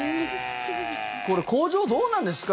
これ、工場どうなんですか？